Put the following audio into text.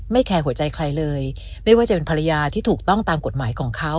แคร์หัวใจใครเลยไม่ว่าจะเป็นภรรยาที่ถูกต้องตามกฎหมายของเขา